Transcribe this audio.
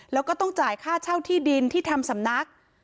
แล้วก็ต้องจ่ายค่าเช่าที่ดินที่ทำสำนัก